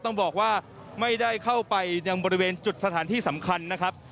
ต้องบอกว่าไม่ได้เข้าไปยังบริเวณจุดสถานที่สำคัญนะครับ